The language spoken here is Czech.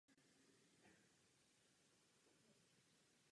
Walrasovské rovnováhy se tu pak využívá ke stanovení právě této otevírací ceny.